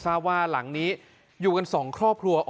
ทราบว่าหลังนี้อยู่กัน๒ครอบครัว